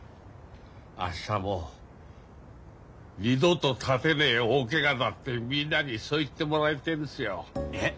あっしはもう二度と立てねえ大ケガだってみんなにそう言ってもらいてえんですよ。えっ！？